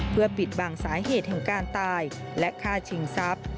เพื่อปิดบังสาเหตุแห่งการตายและฆ่าชิงทรัพย์